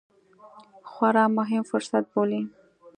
خورا مهم فرصت بولي